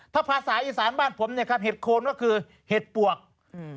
ถ้าภาษาอีสานบ้านผมเนี้ยครับเห็ดโคนก็คือเห็ดปวกอืม